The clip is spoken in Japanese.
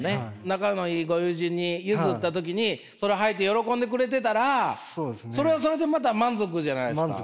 仲のいいご友人に譲った時にそれはいて喜んでくれてたらそれはそれでまた満足じゃないですか。